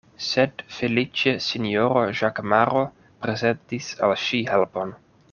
Sed feliĉe sinjoro Ĵakemaro prezentis al ŝi helpon.